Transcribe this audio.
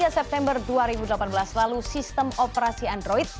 tiga september dua ribu delapan belas lalu sistem operasi android